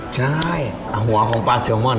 ใช่หัวของปลาเซลมอน